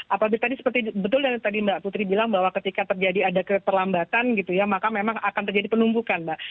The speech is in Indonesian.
apabila tadi seperti betul yang tadi mbak putri bilang bahwa ketika terjadi ada keterlambatan gitu ya maka memang akan terjadi penumpukan mbak